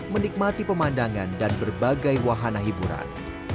menikmati pemandangan dan berbagai wahana hiburan